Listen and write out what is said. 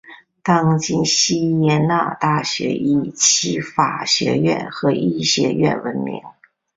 当今锡耶纳大学以其法学院和医学院闻名。